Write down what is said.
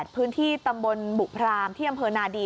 พื้นที่ตำบลบุพรามที่อำเภอนาดี